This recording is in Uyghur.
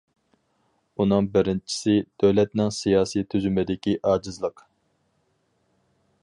ئۇنىڭ بىرىنچىسى، دۆلەتنىڭ سىياسىي تۈزۈمىدىكى ئاجىزلىق.